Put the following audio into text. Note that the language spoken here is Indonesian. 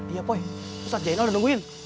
iya poi ustadz jainal udah nungguin